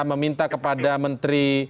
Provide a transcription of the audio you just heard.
meminta kepada menteri